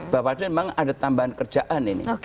bawaslu memang ada tambahan kerjaan ini